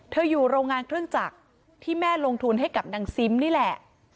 อยู่โรงงานเครื่องจักรที่แม่ลงทุนให้กับนางซิมนี่แหละ